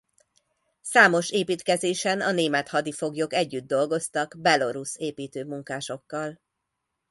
Számos építkezésen a német hadifoglyok együtt dolgoztak a belorusz építőmunkásokkal.